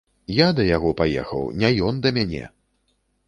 Я да яго паехаў, не ён да мяне!